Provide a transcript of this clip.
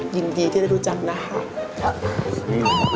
ยินดีที่ได้รู้จักนะครับ